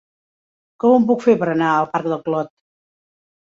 Com ho puc fer per anar al parc del Clot?